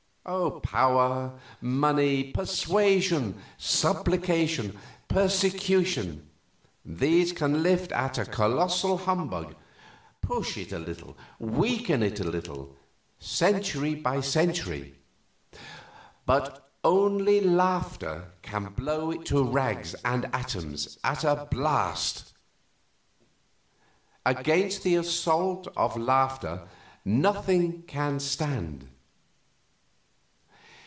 Power, money, persuasion, supplication, persecution these can lift at a colossal humbug push it a little weaken it a little, century by century; but only laughter can blow it to rags and atoms at a blast. Against the assault of laughter nothing can stand.